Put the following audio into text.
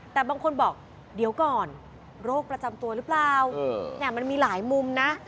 แต่บางคนบอกเดี๋ยวก่อนโรคประจำตัวหรือเปล่าเนี่ยมันมีหลายมุมนะ